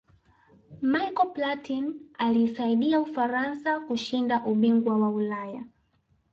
michael platin aliisaidia ufaransa kushinda ubingwa wa ulaya